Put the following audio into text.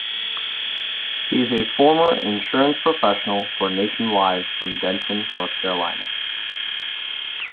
He is a former insurance professional for Nationwide from Denton, North Carolina.